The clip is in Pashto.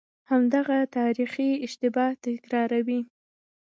همدغه تاریخي اشتباه تکراروي.